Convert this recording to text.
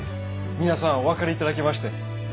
皆さんお分かり頂きまして。